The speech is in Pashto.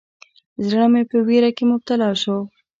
زړه مې په ویره کې مبتلا شو.